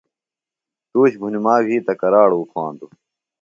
تُوش بُھنِما وھی تہ کراڑوۡ اُکھاندوۡ